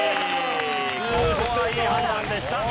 ここはいい判断でした。